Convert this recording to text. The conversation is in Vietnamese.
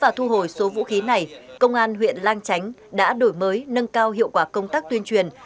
và thu hồi số vũ khí này công an huyện lang chánh đã đổi mới nâng cao hiệu quả công tác tuyên truyền